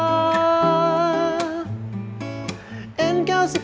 อัน๙๕